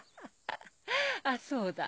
あっそうだ。